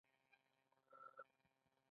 د حکومت پر ضد باغیانو ته سخته سزا ورکول کېده.